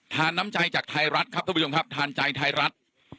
น้ำใจจากไทยรัฐครับท่านผู้ชมครับทานใจไทยรัฐ